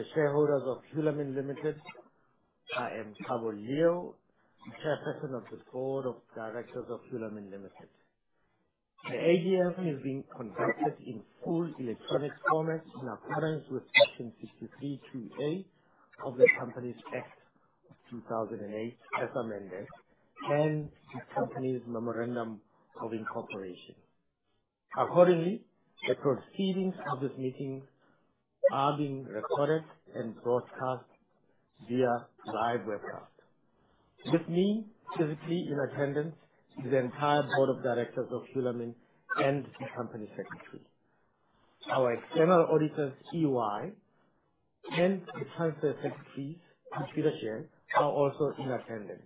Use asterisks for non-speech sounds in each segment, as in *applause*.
To the shareholders of Hulamin Limited. I am Thabo Patrick Leeuw, Chairperson of the Board of Directors of Hulamin Limited. The AGM is being conducted in full electronic format in accordance with Section 63(2)(a) of the Companies Act of 2008, as amended, and the company's Memorandum of Incorporation. Accordingly, the proceedings of this meeting are being recorded and broadcast via live webcast. With me physically in attendance is the entire Board of Directors of Hulamin and the Company Secretary. Our External Auditors, EY, and the Transfer Secretaries, Computershare, are also in attendance.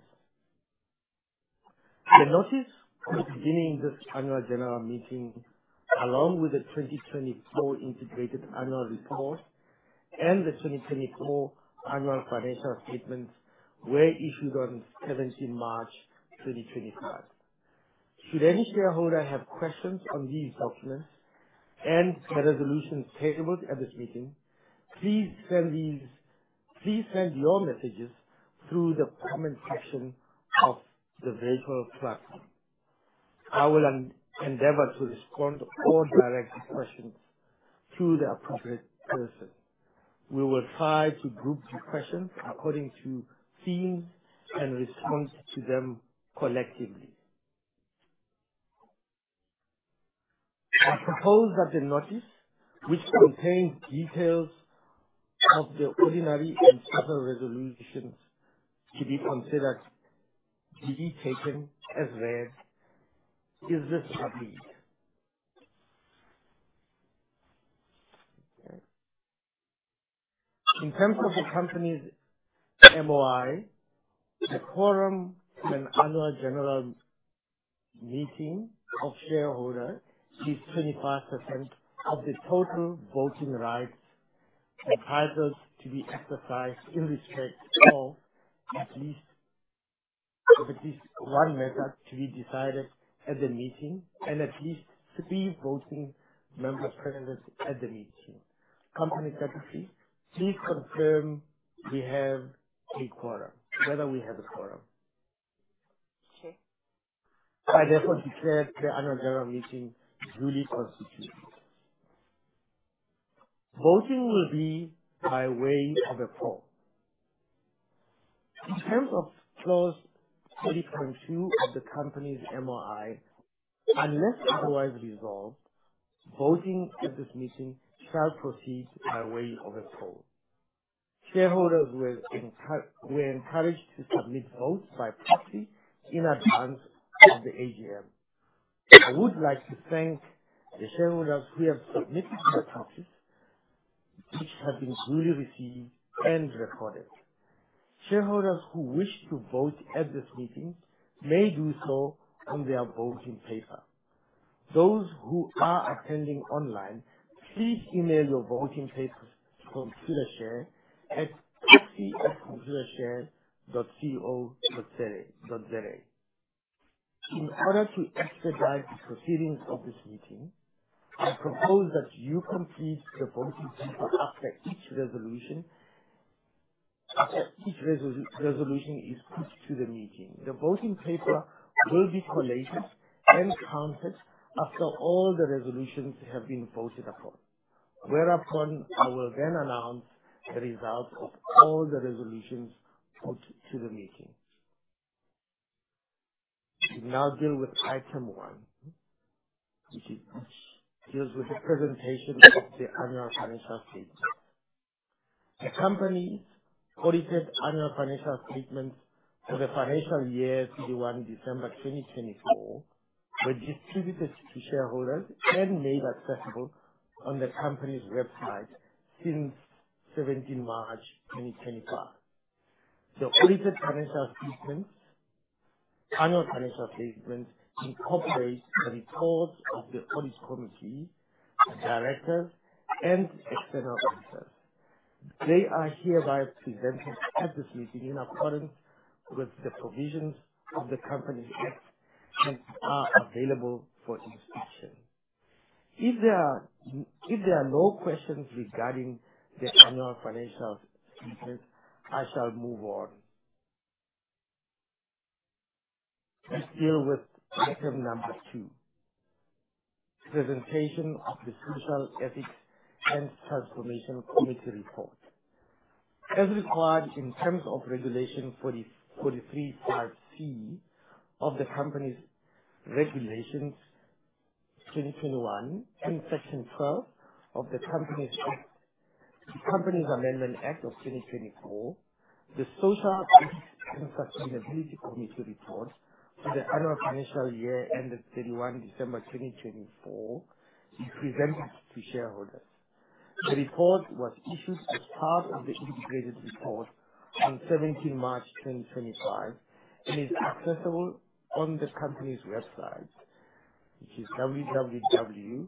The notice of convening this annual general meeting, along with the 2024 Integrated Annual Report and the 2024 Annual Financial Statements, were issued on 17 March 2025. Should any shareholder have questions on these documents and the resolutions tabled at this meeting, please send your messages through the comment section of the virtual platform. I will endeavor to respond or direct questions to the appropriate person. We will try to group the questions according to themes and respond to them collectively. I propose that the notice which contains details of the ordinary and special resolutions to be considered be taken as read. Is this public? In terms of the company's MOI, a quorum in annual general meeting of shareholders is 25% of the total voting rights entitled to be exercised in respect of at least one matter to be decided at the meeting and at least three voting members present at the meeting. Company Secretary, please confirm whether we have a quorum. I therefore declare the annual general meeting duly constituted. Voting will be by way of a poll. In terms of clause 30.2 of the company's MOI, unless otherwise resolved, voting at this meeting shall proceed by way of a poll. Shareholders were encouraged to submit votes by proxy in advance of the AGM. I would like to thank the shareholders who have submitted their proxies, which have been duly received and recorded. Shareholders who wish to vote at this meeting may do so on their voting paper. Those who are attending online, please email your voting papers to Computershare at scf@computershare.co.za. In order to expedite the proceedings of this meeting, I propose that you complete the voting paper after each resolution is put to the meeting. The voting paper will be collated and counted after all the resolutions have been voted upon, whereupon I will then announce the results of all the resolutions put to the meeting. We now deal with item one, which deals with the presentation of the annual financial statements. The company's audited annual financial statements for the financial year ended 1 December 2024 were distributed to shareholders and made accessible on the company's website since 17 March 2025. The audited annual financial statements incorporate the reports of the audit committee, the directors and external auditors. They are hereby presented at this meeting in accordance with the provisions of the Companies Act and are available for inspection. If there are no questions regarding the annual financial statements, I shall move on. Let's deal with item two, presentation of the Social, Ethics and Transformation Committee report. As required in terms of Regulation 43, part C of the Companies Regulations, 2011 and Section 12 of the Companies Act, Companies Amendment Act 16 of 2024, the Social Ethics and Sustainability Committee report for the annual financial year ended 31 December 2024 is presented to shareholders. The report was issued as part of the integrated report on 17 March 2025 and is accessible on the company's website, which is www.hulamin.co.za.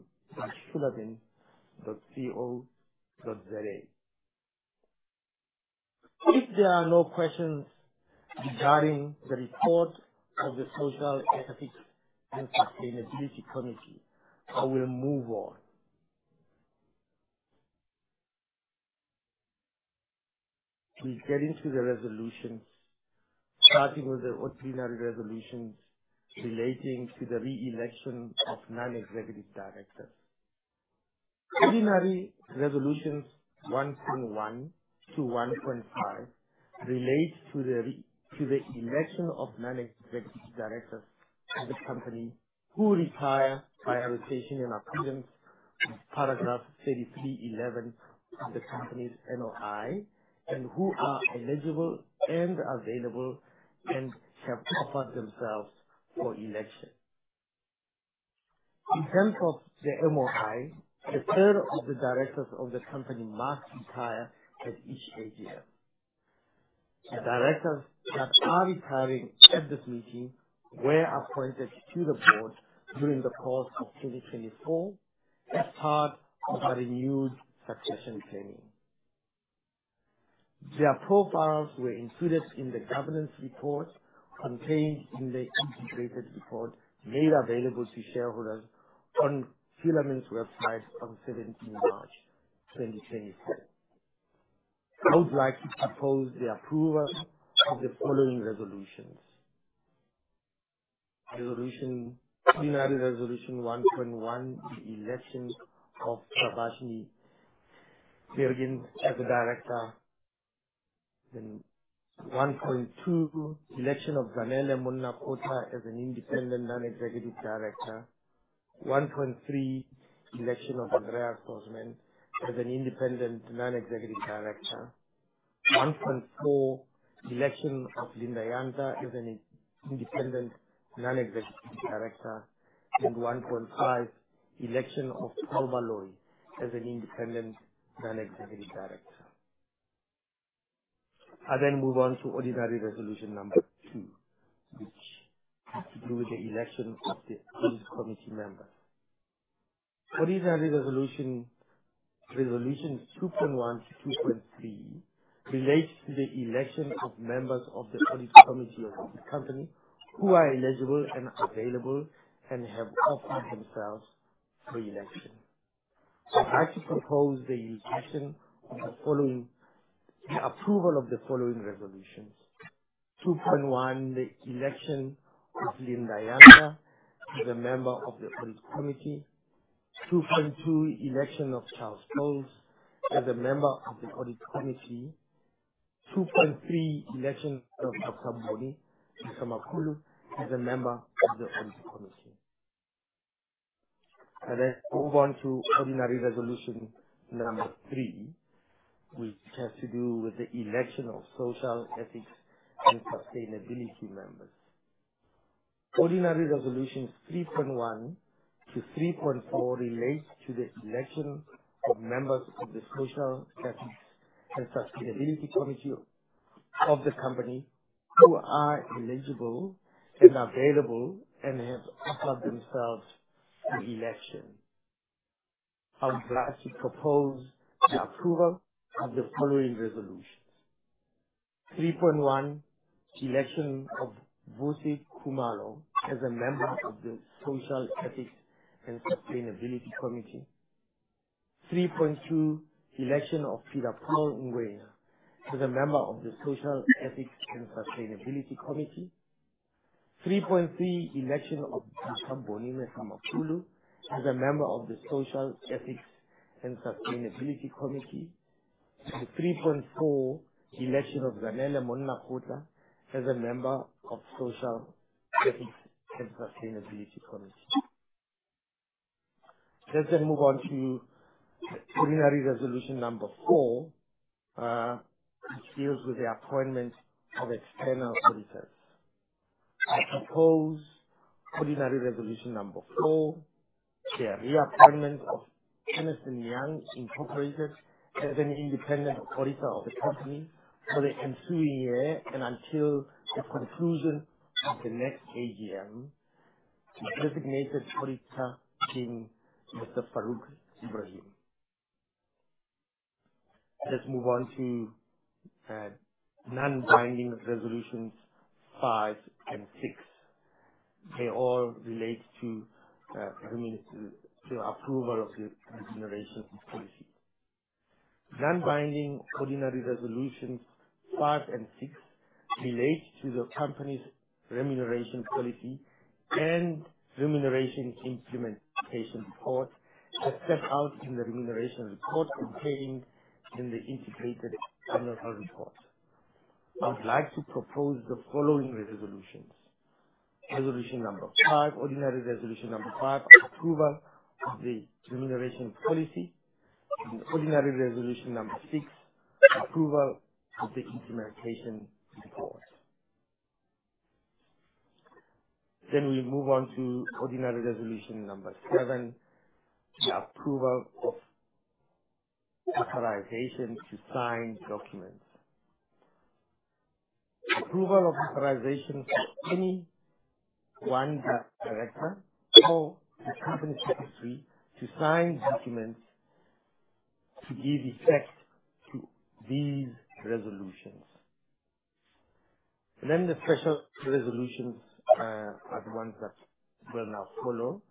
If there are no questions regarding the report of the Social Ethics and Sustainability Committee, I will move on. We get into the resolutions starting with the ordinary resolutions relating to the re-election of non-executive directors. Ordinary resolutions 1.1 to 1.5 relate to the election of non-executive directors of the company who retire by rotation in accordance with paragraph 33.11 of the company's MOI and who are eligible and available and have offered themselves for election. In terms of the MOI, a third of the directors of the company must retire at each AGM. The directors that are retiring at this meeting were appointed to the board during the course of 2024 as part of our renewed succession planning. Their profiles were included in the governance report contained in the integrated report made available to shareholders on Hulamin's website on 17 March 2024. I would like to propose the approval of the following resolutions. Ordinary resolution 1.1, the election of Pravashni Nirghin as a director. 1.2, election of Zanele Monnakgotla as an Independent Non-Executive Director. 1.3, election of Andreas Tostmann as an Independent Non-Executive Director. 1.4, election of Linda Yanta as an Independent Non-Executive Director. 1.5, election of Paul Baloyi as an Independent Non-Executive Director. I move on to ordinary resolution 2, which has to do with the election of the audit committee members. Ordinary resolutions 2.1 to 2.3 relate to the election of members of the audit committee of this company who are eligible and available and have offered themselves for election. I'd like to propose the election of the following, the approval of the following resolutions. 2.1, the election of Linda Yanta as a member of the audit committee. 2.2, election of Charles Boles as a member of the audit committee. 2.3, election of Boni Mehlomakulu as a member of the audit committee. I move on to ordinary resolution number 3, which has to do with the election of social ethics and sustainability members. Ordinary resolutions 3.1 to 3.4 relates to the election of members of the social ethics and sustainability committee of the company who are eligible and available and have offered themselves for election. I would like to propose the approval of the following resolutions. 3.1, election of Vusi Khumalo as a member of the Social Ethics and Sustainability Committee. 3.2, election of Sibusiso Peter-Paul Ngwenya as a member of the Social Ethics and Sustainability Committee. 3.3, election of Boni Mehlomakulu as a member of the Social Ethics and Sustainability Committee. 3.4, election of Zanele Monnakgotla as a member of the Social and Ethics Committee. Let's move on to ordinary resolution number 4. Which deals with the appointment of external auditors. I propose ordinary resolution number 4, the reappointment of Ernst & Young Inc as an independent auditor of the company for the ensuing year and until the conclusion of the next AGM, the designated auditor being Mr. Farouk Ebrahim. Let's move on to non-binding resolutions 5 and 6. They all relate to the approval of the remuneration policy. Non-binding ordinary resolutions 5 and 6 relate to the company's remuneration policy and remuneration implementation report as set out in the remuneration report contained in the integrated annual report. I would like to propose the following resolutions. Resolution number 5. Ordinary resolution number 5, approval of the remuneration policy. Ordinary resolution number 6, approval of the implementation report. We move on to ordinary resolution number 7, the approval of authorization to sign documents. Approval of authorization for any one director or the company secretary to sign documents to give effect to these resolutions. The special resolutions are the ones that will now follow.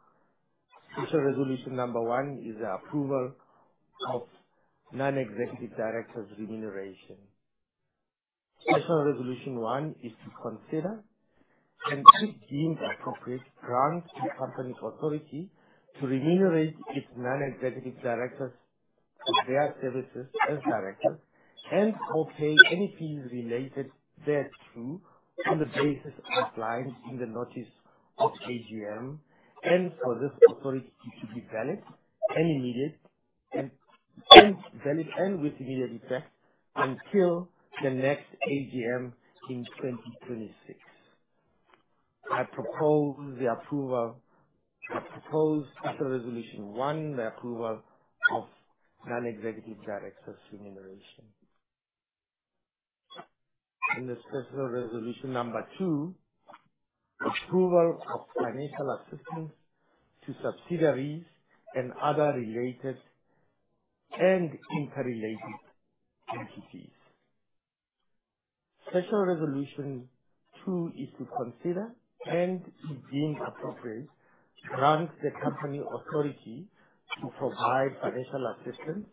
Special resolution number 1 is the approval of non-executive directors' remuneration. Special resolution 1 is to consider and if deemed appropriate, grant the company authority to remunerate its non-executive directors for their services as directors and/or pay any fees related thereto on the basis outlined in the notice of AGM, and for this authority to be valid and immediate and valid and with immediate effect until the next AGM in 2026. I propose special resolution 1, the approval of non-executive directors' remuneration. In the special resolution number 2, approval of financial assistance to subsidiaries and other related and interrelated entities. Special resolution 2 is to consider, and if deemed appropriate, grant the company authority to provide financial assistance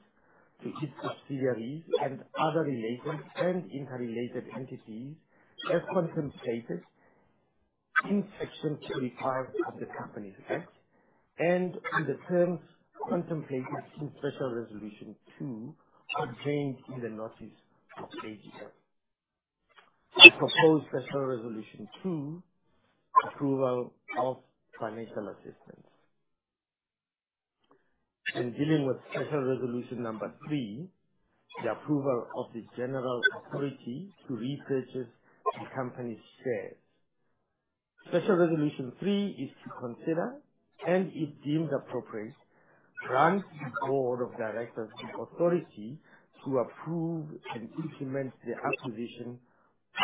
to its subsidiaries and other related and interrelated entities as contemplated in Section 35 of the Companies Act and on the terms contemplated in special resolution 2, obtained in the notice of AGM. I propose special resolution 2, approval of financial assistance. In dealing with special resolution number 3, the approval of the general authority to repurchase the company's shares. Special resolution 3 is to consider, and if deemed appropriate, grant the board of directors the authority to approve and implement the acquisition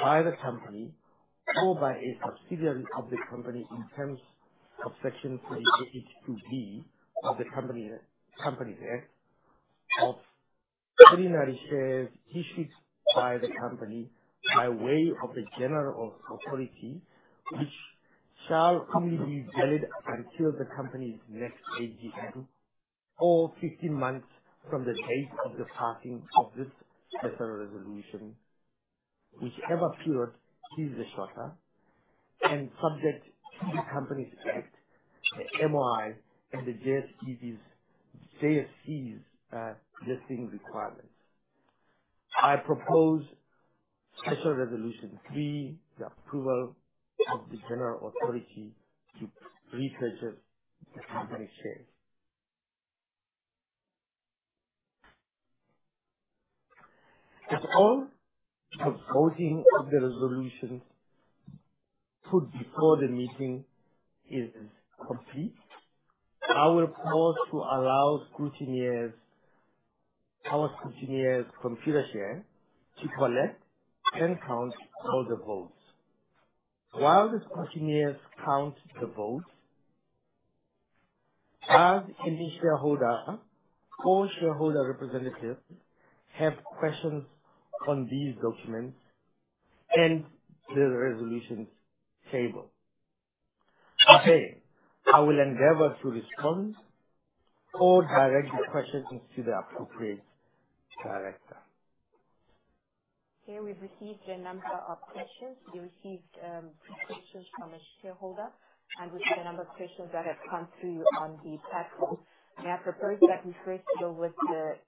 by the company or by a subsidiary of the company in terms of Section 28(2)(b) of the Companies Act of ordinary shares issued by the company by way of the general authority, which shall only be valid until the company's next AGM or 15 months from the date of the passing of this special resolution, whichever period is the shorter and subject to the Companies Act, the MOI and the JSE's listing requirements. I propose special resolution 3, the approval of the general authority to repurchase the company's shares. As all the voting on the resolutions put before the meeting is complete, I will pause to allow our scrutineers from Computershare to collect and count all the votes. While the scrutineers count the votes, does any shareholder or shareholder representative have questions on these documents and the resolutions tabled? If they, I will endeavor to respond or direct the question to the appropriate director. Okay. We've received a number of questions. We received questions from a shareholder, and we've a number of questions that have come through on the platform. May I propose that we first go with the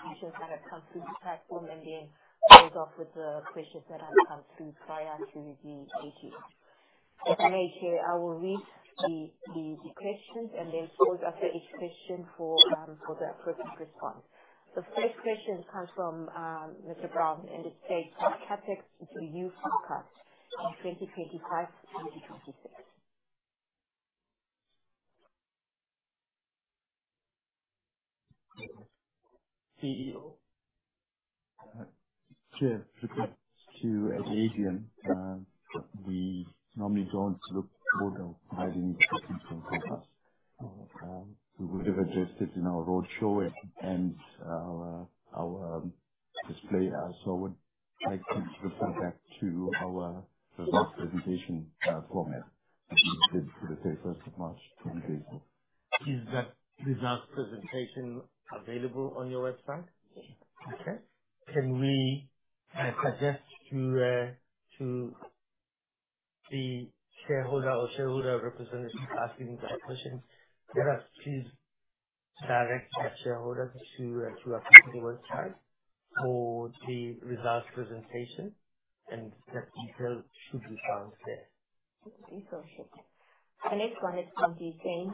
questions that have come through the platform and then close off with the questions that have come through prior to the AGM? If I may, Chair, I will read the questions and then pause after each question for the appropriate response. The first question comes from Mr. Brown, and it states: "CapEx into UCUT in 2025, 2026. Chair, with regard to AGM, we normally don't look forward to providing in terms of us. We would have adjusted in our roadshow and our display. I would like to refer back to our results presentation format, which we did for the 31st of March 2023. Is that results presentation available on your website? Yes. Okay. Can we suggest to the shareholder or shareholder representative asking that question, perhaps please direct that shareholder to our company website for the results presentation, and that detail should be found there. The next one is from the same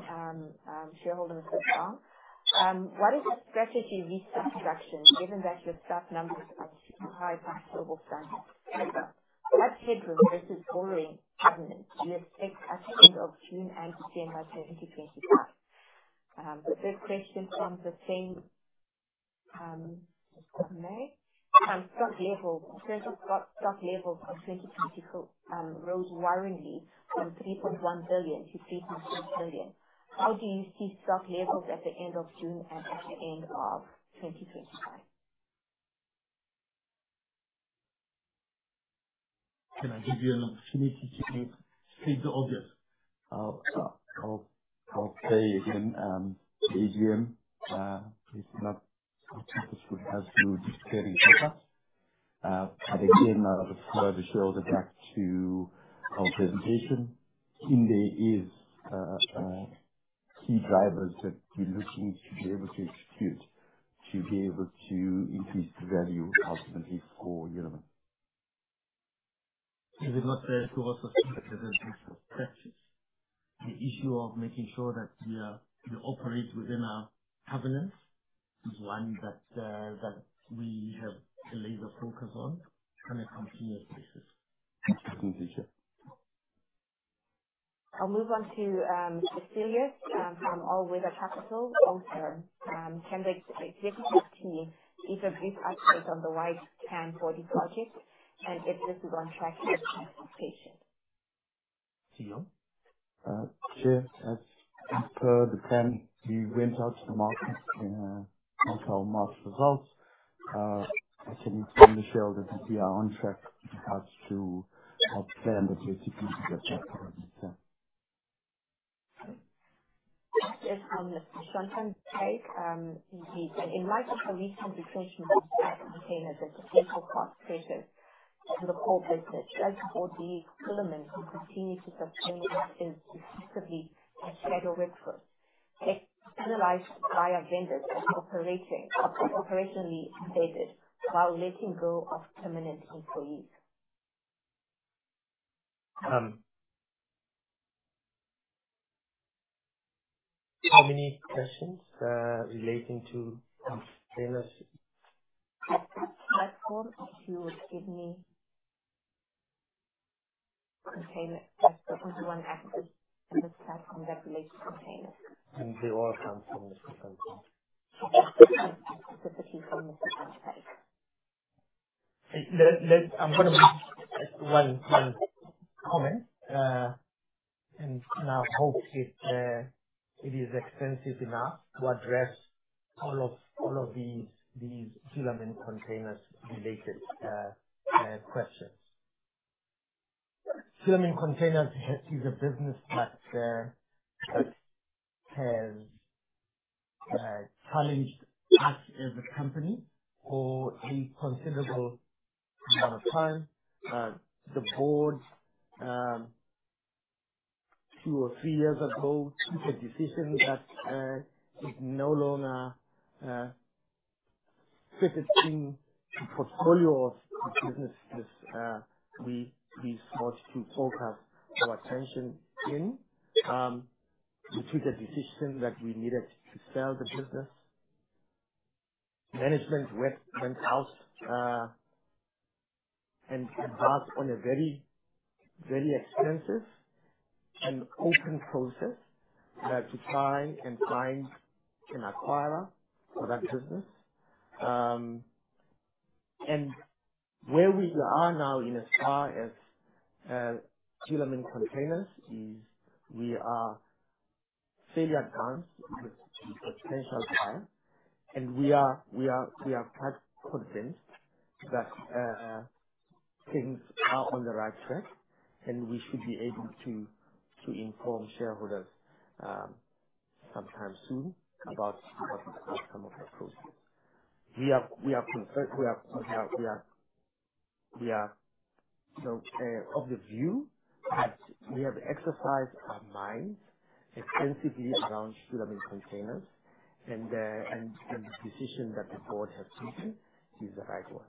shareholder, Mr. Brown. What is your strategy with staff reduction given that your staff numbers are super high by global standards? Further, net headroom versus rolling covenant you expect at the end of June and December 2025. The third question from the same shareholder. Stock levels of 2024 rose worryingly from 3.1 billion to 3.4 billion. How do you see stock levels at the end of June and at the end of 2025? Can I give you an opportunity to state the obvious? I'll say again, the AGM is not fit for purpose to discuss this further. Again, I refer shareholder back to our presentation. In there is key drivers that we're looking to be able to execute, to be able to increase the value ultimately for Hulamin. It is not fair to also speak to the details of practice. The issue of making sure that we operate within our governance is one that we have a laser focus on a continuous basis. I'll move on to Cecilia from All Weather Capital, long term. Can the JCP team give a brief update on the timeline for the project and if this is on track for transportation? CEO? Chair, as per the plan, we went out to the market in, on our March results. I can inform shareholder that we are on track as to our plan with JCP. Yes, Mr. Shuntay, indeed. In light of the recent discussions, containers as a central cost center to the core business, does the Board believe Hulamin will continue to sustain its effectively a shadow workforce externalized via vendors and operationally based while letting go of permanent employees? How many questions relating to containers? If you would give me containers. Just the only one asked is in this platform that relates to containers. They all come from Mr. Shuntay. Specifically from Mr. Shuntay. I'm gonna make one comment. I hope it is extensive enough to address all of these Hulamin Containers related questions. Hulamin Containers is a business that has challenged us as a company for a considerable amount of time. The board two or three years ago took a decision that is no longer fitted in the portfolio of businesses we sought to focus our attention in. We took a decision that we needed to sell the business. Management went out and embarked on a very extensive and open process to try and find an acquirer for that business. Where we are now in as far as Hulamin Containers is we are fairly advanced with a potential buyer, and we are quite convinced that things are on the right track, and we should be able to inform shareholders sometime soon about the outcome of that process. We are of the view that we have exercised our minds extensively around Hulamin Containers and the decision that the board has taken is the right one.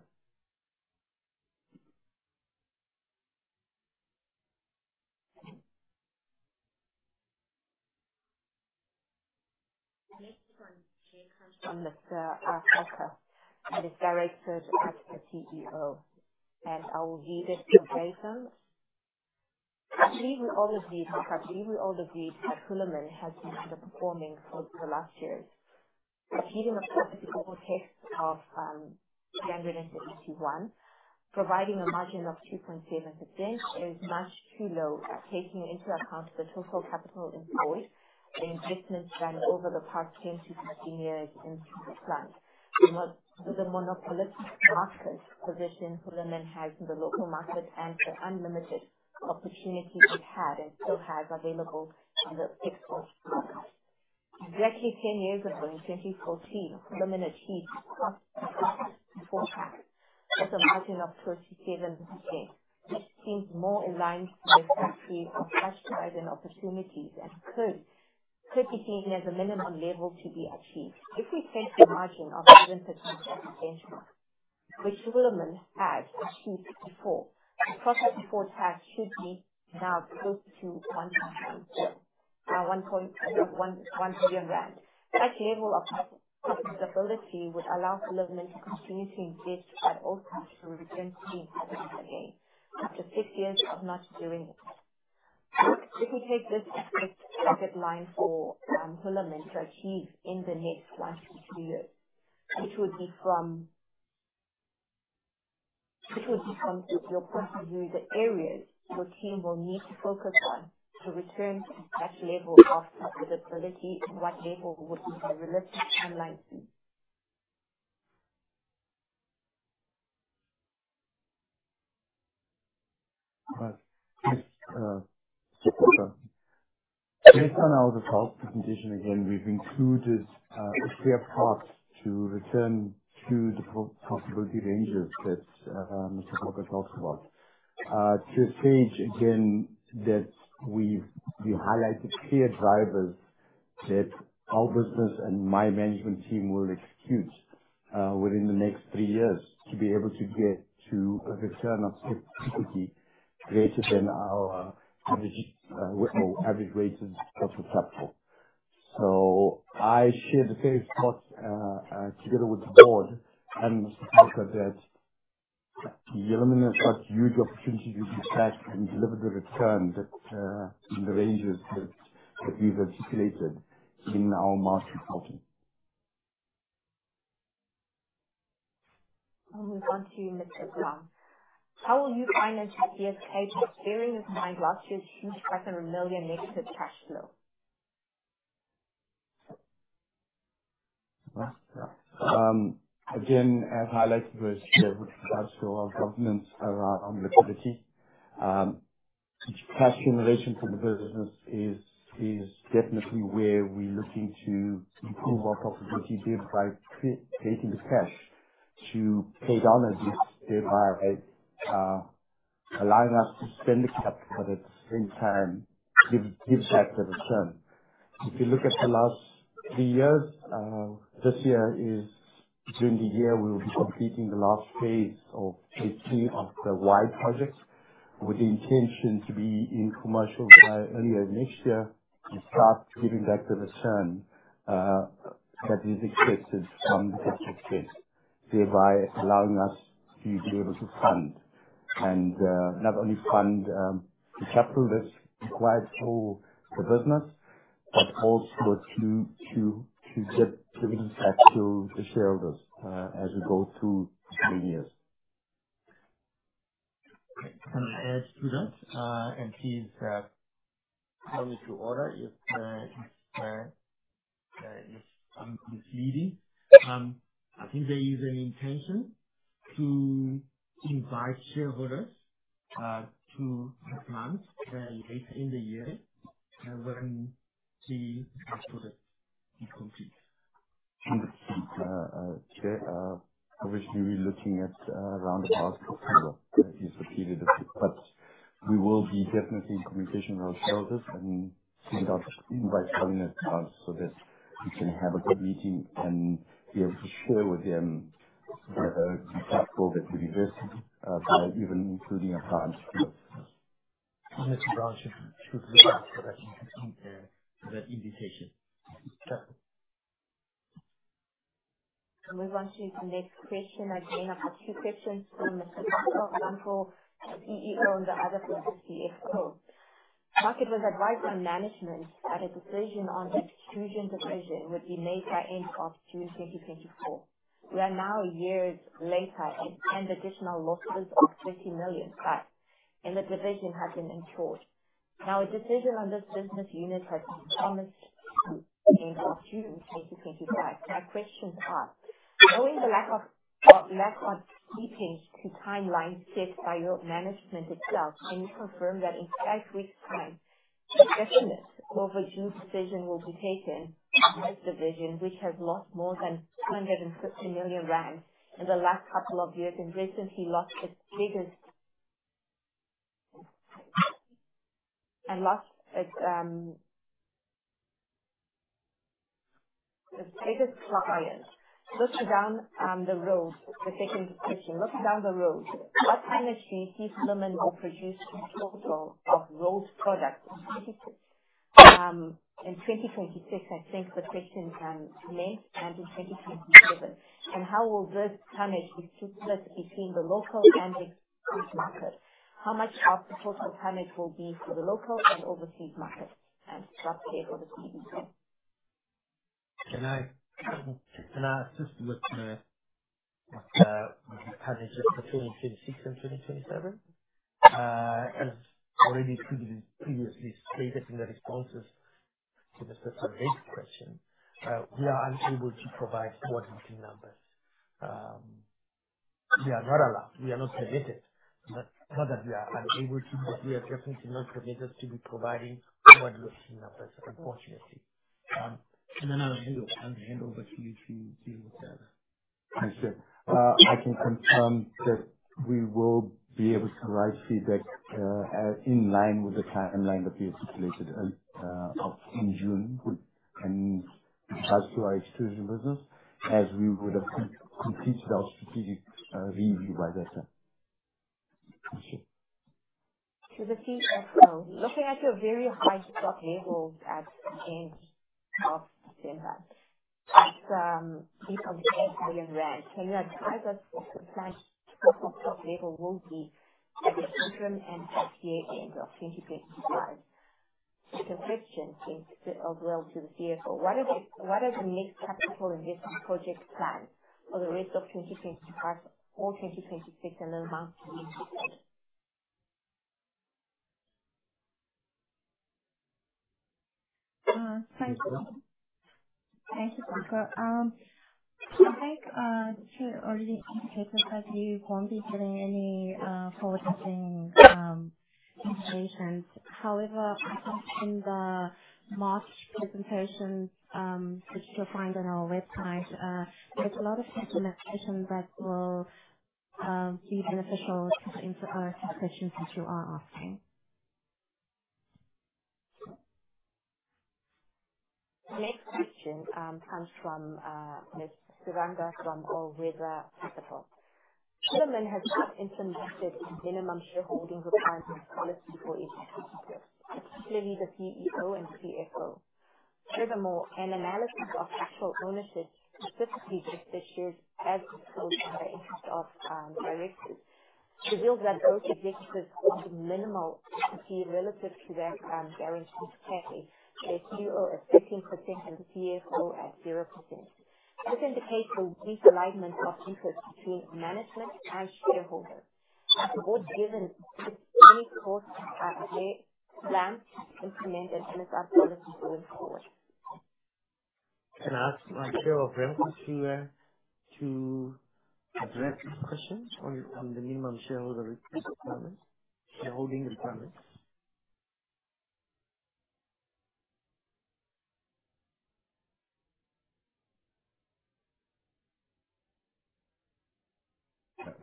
Next one came from Mr. Parker, a director and the CEO, and I will read it. We will all agree, in fact, that Hulamin has underperformed over the last years. An EBITDA multiple of 381 providing a margin of 2.7% is much too low taking into account the total capital employed and investments done over the past 10-15 years since the plant. With the monopolistic market position Hulamin has in the local market and the unlimited opportunities it had and still has available in the export market, exactly 10 years ago, in 2014, Hulamin achieved a before-tax margin of 37%. This seems more aligned with the degree of upside and opportunities and could be seen as a minimum level to be achieved. If we set a margin of 7% as a benchmark, which Hulamin has achieved before, the profit before tax should be now close to ZAR 1.1 billion. That level of profitability would allow Hulamin to continue to invest at all times to regain scale again after six years of not doing this. If we take this specific guideline for Hulamin to achieve in the next one to two years, which would be from your point of view, the areas your team will need to focus on to return to that level of profitability and what would be the realistic timeline? Based on our default presentation, again, we've included a fair path to return to the profitability ranges that Mr. Parker talks about. Turn to the page, again, that we've highlighted clear drivers that our business and my management team will execute within the next three years to be able to get to a return on equity greater than our average cost of capital. I share the same thoughts together with the board and Mr. Parker that Hulamin has got huge opportunities to get back and deliver the return in the ranges that we've articulated in our market outlook. I'll move on to you, Mr. Brown. How will you finance CapEx bearing in mind last year's huge 500 million negative cash flow? Again, as highlighted with regards to our governance around liquidity, cash generation from the business is definitely where we're looking to improve our profitability bit by creating the cash to pay down our debt, thereby allowing us to spend the capital but at the same time give back the return. If you look at the last three years, this year during the year we will be completing the last phase of 18 of the wide projects with the intention to be in commercial by early next year and start giving back the return that is expected from the capital spent, thereby allowing us to be able to fund. Not only fund the capital that's required for the business, but also to give dividends back to the shareholders as we go through the three years. Can I add to that? Please, tell me if I'm out of order if I'm repeating. I think there is an intention to invite shareholders to the plant later in the year when the output is complete. Chair, obviously we're looking at around about September is the period, but we will be definitely in communication with our shareholders and send out invites well in advance so that we can have a good meeting and be able to share with them the *inaudible* that we visited by even including a plant tour. Mr. Brown should look out for that invitation. I'll move on to the next question. Again, I've got two questions from Mr. Parker. One for CEO and the other for the CFO. Market was advised by management that a decision on extrusion division would be made by end of June 2024. We are now years later and additional losses of 50 million, right, and the division has been reviewed. Now, a decision on this business unit has been promised end of June 2025. My questions are: Knowing the lack of keeping to timelines set by your management itself, can you confirm that in five weeks time, a definite overdue decision will be taken for this division which has lost more than 250 million rand in the last couple of years and recently lost its biggest client. Looking down the road, the second question. Looking down the road, what tonnage do you think Hulamin will produce in total of those products in 2026? I think the question meant 2027. How will this tonnage be split between the local and the export market? How much of the total tonnage will be for the local and overseas market? Last year overseas as well. Can I just look at the tonnage between 2026 and 2027? As already previously stated in the responses to Mr. Parker's question, we are unable to provide forward-looking numbers. We are not allowed. We are not permitted. Not that we are unable to, but we are definitely not permitted to be providing forward-looking numbers, unfortunately. I'll hand over to you to deal with. Thanks, Chair. I can confirm that we will be able to provide feedback in line with the timeline that we have stipulated in June with regards to our extrusion business as we would have completed our strategic review by that time. To the CFO. Looking at your very high stock levels at end of December. At ZAR 8.8 billion. Can you advise us what the stock level will be at the interim and at year-end of 2025? The second question to the CFO. What are the next capital investment projects planned for the rest of 2025 or 2026? Thanks. Thanks, Jessica. I think, as you already indicated that we won't be giving any forward-looking information. However, I think in the March presentation, which you'll find on our website, there's a lot of justification that will be beneficial to answer some questions that you are asking. Next question comes from Ms. Surendran from Alweza Capital. Hulamin has not implemented minimum shareholding requirements policy for its executives, particularly the CEO and CFO. Furthermore, an analysis of actual ownership, specifically just the shares as opposed to the interest of directors, reveals that both executives hold minimal equity relative to their guaranteed pay. The CEO at 13% and the CFO at 0%. This indicates a weak alignment of interest between management and shareholders. Have you given any thought to having a plan implemented in this policy going forward? Can I ask my Chair of RemCo to address this question on the minimum shareholder requirements, shareholding requirements?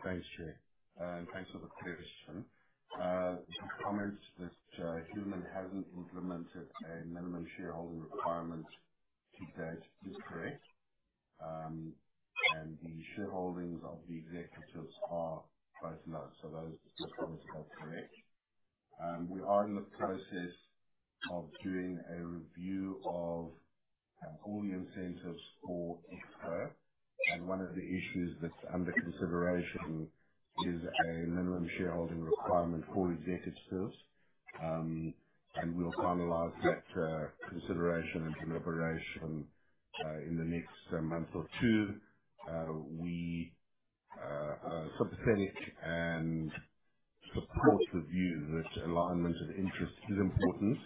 Thanks, Chair, and thanks for the clear question. The comment that Hulamin hasn't implemented a minimum shareholding requirement to date is correct. The shareholdings of the executives are quite low. Those comments are correct. We are in the process of doing a review of all the incentives for exec. One of the issues that's under consideration is a minimum shareholding requirement for executives. We'll finalize that consideration and deliberation in the next month or two. We are sympathetic and support the view that alignment of interest is important,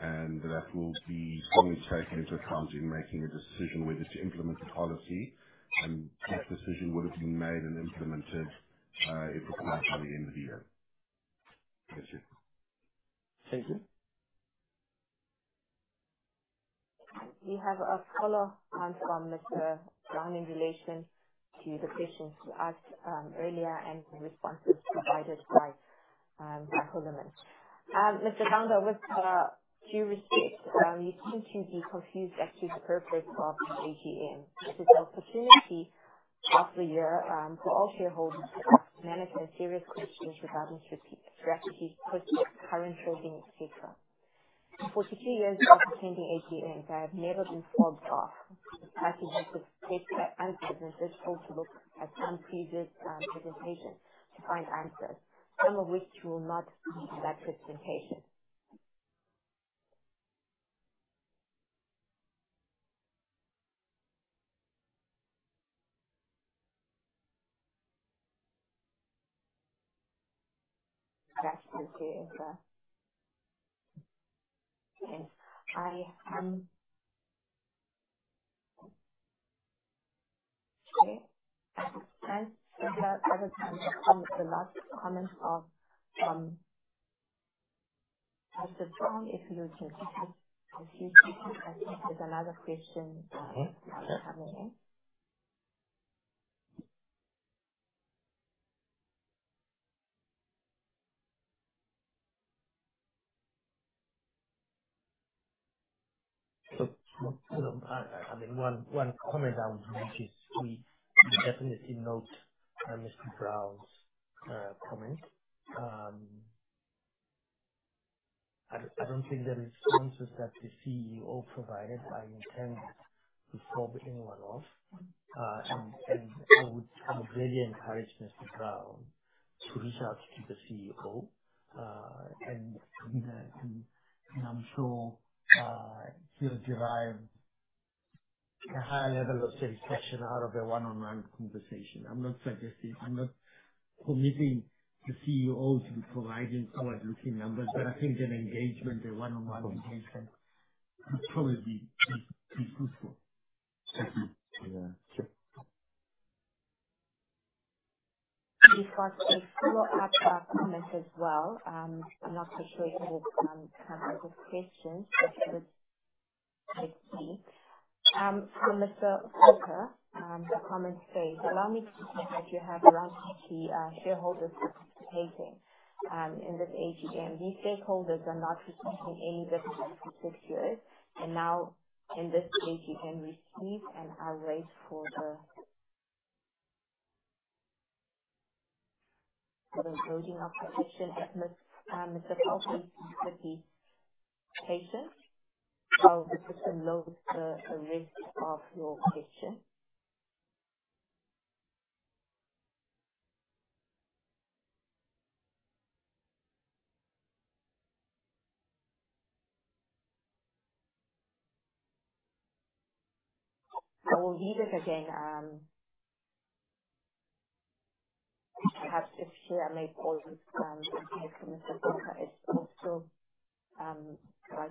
and that will be strongly taken into account in making a decision whether to implement the policy. That decision would have been made and implemented if it comes out by the end of the year. That's it. Thank you. We have a follow-up from Mr. Brown in relation to the questions you asked earlier and the responses provided by Hulamin. Mr. Brown, with due respect, you seem to be confused as to the purpose of the AGM. It's an opportunity of the year for all shareholders to manage any serious questions regarding strategy, prospects, current holdings, et cetera. For the two years I was attending AGMs, I have never been fobbed off. I suggest that as business folks look at some previous presentations to find answers, some of which you will not find in that presentation. Thanks. Yes. Okay. Thanks. We have other comments. The last comment of Mr. Brown, if you'll just Okay. I see there's another question coming in. I mean, one comment I would make is we definitely note Mr. Brown's comment. I don't think the responses that the CEO provided are intended to fob anyone off. I would greatly encourage Mr. Brown to reach out to the CEO. I'm sure he'll derive a high level of satisfaction out of a one-on-one conversation. I'm not suggesting, I'm not committing the CEO to providing forward-looking numbers, but I think an engagement, a one-on-one engagement would probably be fruitful. Thank you, Chair. We've got a follow-up comment as well. I'm not so sure if it comes as a question, but it is from Mr. Hawker. The comment says, "Allow me to point out you have around 50 shareholders participating in this AGM. These shareholders are not receiving any dividends for six years and now in this AGM we see it, and I'll wait for the loading of the question." And it's Mr. Patience while the system loads a list of your question. I will read it again, perhaps if he'll make all this. Okay. Mr. Hawker, while he's actually speaking. I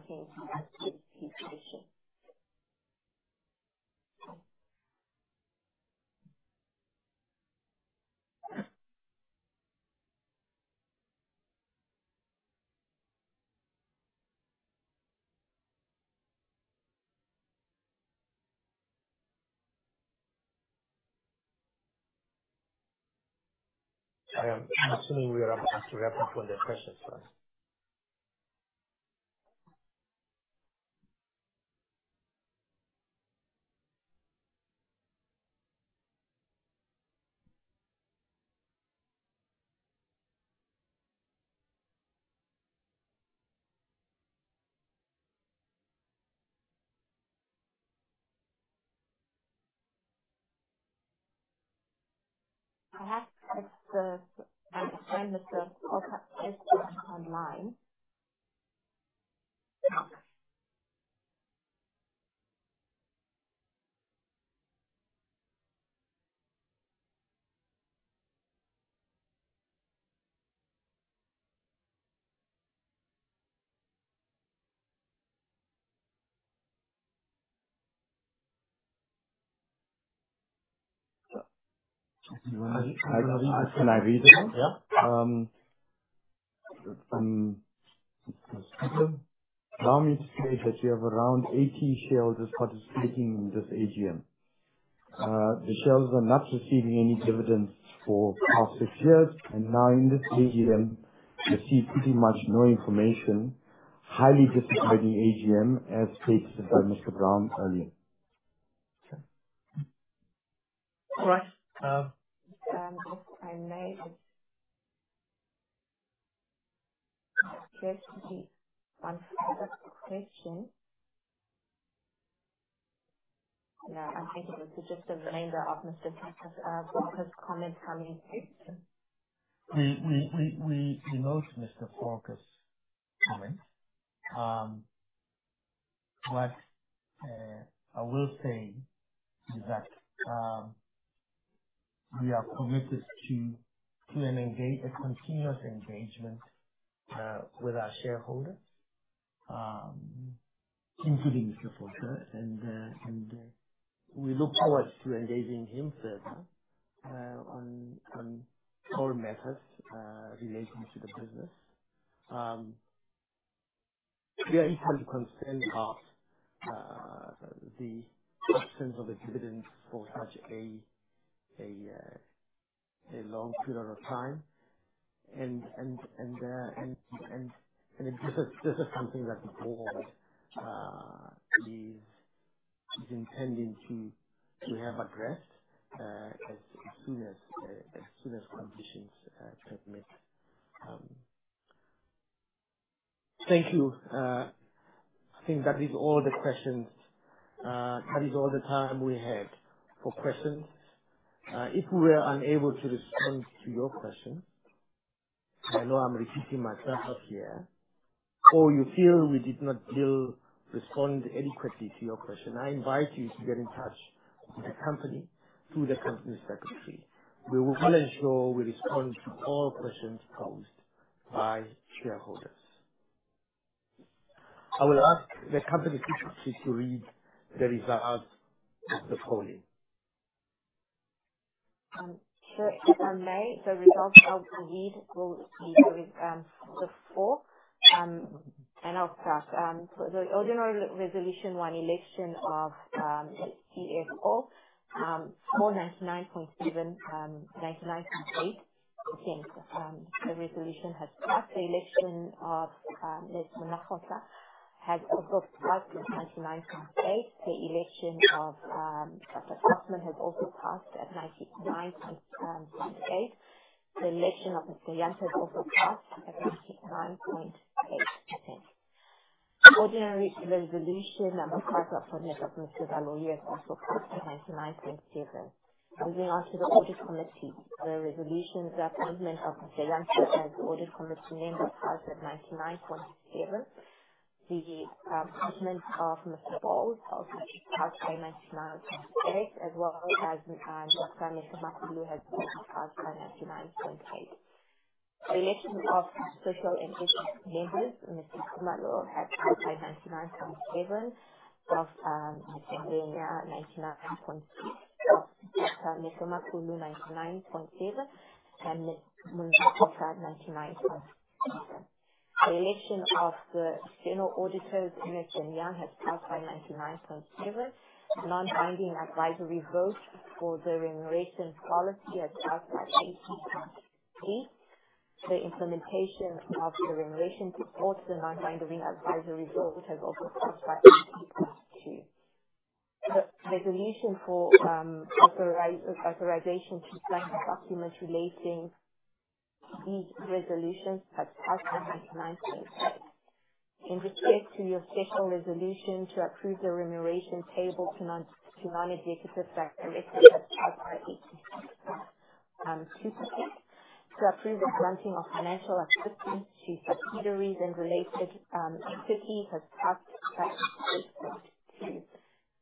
am assuming we are about to wrap up for the questions first. I have to ask the online. You wanna-Can I read it out? Yeah. From Mr. Steven. Allow me to state that you have around 80 shareholders participating in this AGM. The shareholders are not receiving any dividends for the past six years, and now in this AGM they see pretty much no information. Highly disappointing AGM as stated by Mr. Brown earlier. All right. One further question. Yeah, I'm thinking that is just a reminder of Mr. Parker's, Broca's comment from April. We denote Mr. Broca's comment. But what I will say is that we are committed to a continuous engagement with our shareholders, including Mr. Broca. We look forward to engaging him further on all matters relating to the business. We are entirely concerned of the absence of a dividend for such a long period of time. This is something that the board is intending to have addressed as soon as conditions permit. Thank you. I think that is all the questions. That is all the time we had for questions. If we were unable to respond to your question, I know I'm repeating myself here, or you feel we did not respond adequately to your question, I invite you to get in touch with the company through the company secretary. We will ensure we respond to all questions posed by shareholders. I will ask the company secretary to read the results of the polling. If I may, the results of the vote will be the four. I'll start. The ordinary resolution one election of CFO for 99.7, 99.8% the resolution has passed. The election of Ms. Zanele Monnakgotla has also passed with 99.8%. The election of Andreas Tostmann has also passed at 99.8%. The election of Ms. Linda Yanta has also passed at 99.8%. Ordinary resolution number 12 put forward by Mr. Paul Baloyi has also passed at 99.7%. Moving on to the audit committee. The appointment of Ms. Linda Yanta as audit committee member has passed at 99.7%. The appointment of Mr. Paul Baloyi has also passed by 99.8%, as well as Boni Mehlomakulu has also passed by 99.8%. The election of social and business leaders, Vusi Khumalo, has passed by 99.7%. Of Ms. Renia, 99.6%. Mehlomakulu, 99.7%, and Ms. Munahosa, 99.7%. The election of the general auditors, Ernst & Young, has passed by 99.7%. Non-binding advisory vote for the remuneration policy has passed by 80.2%. The non-binding advisory vote on the implementation of the remuneration policy has passed by 80.2%. The resolution for authorization to sign the documents relating to these resolutions has passed at 99.8%. In respect of the special resolution to approve the remuneration payable to non-executive directors has passed by 80.2%. The special resolution to approve the granting of financial assistance to subsidiaries and related entity has passed by 80.2%.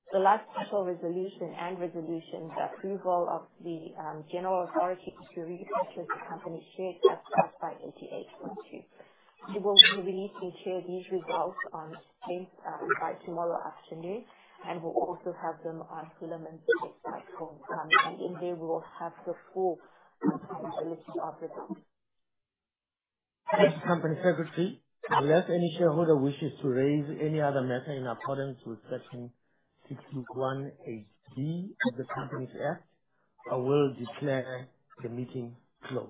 The last special resolution and resolution, the approval of the general authority to repurchase the company shares has passed by 88.2%. We will be releasing these results by tomorrow afternoon and will also have them on the website, and in there we will have the full details. Thank you, Company Secretary. Unless any shareholder wishes to raise any other matter in accordance with Section 61(8)(d) of the Companies Act, I will declare the meeting closed.